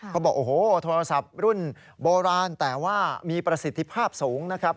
เขาบอกโอ้โหโทรศัพท์รุ่นโบราณแต่ว่ามีประสิทธิภาพสูงนะครับ